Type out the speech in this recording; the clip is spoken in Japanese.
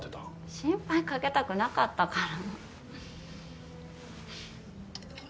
心配かけたくなかったから。